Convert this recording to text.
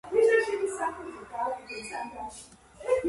დარბაზულ ეკლესიაში ერთადერთი შესასვლელი სამხრეთიდანაა.